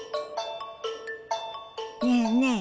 ねえねえ